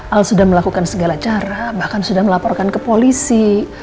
al sudah melakukan segala cara bahkan sudah melaporkan ke polisi